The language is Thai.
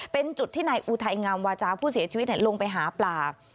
เป็นจุดที่นายอุทัยงามวาจาผู้เสียชีวิตลงไปหาปลา